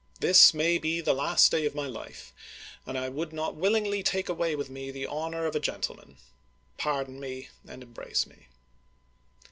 This may be the last day of my life, and I would not willingly take away with me the honor of a gentleman. Pardon me, and embrace me."